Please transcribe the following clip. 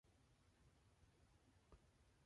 "High Speed Dirt" focuses on skydiving.